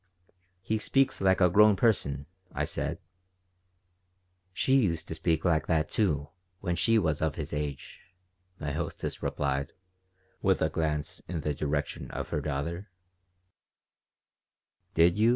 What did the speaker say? "He speaks like a grown person," I said "She used to speak like that, too, when she was of his age," my hostess replied, with a glance in the direction of her daughter "Did you?"